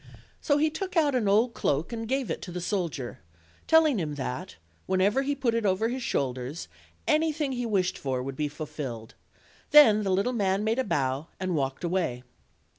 So he took out an old cloak and gave it to the soldier, telling him that, whenever he put it over his shoulders, anything he wished for would be fulfilled; then the little man made a bow, and walked away.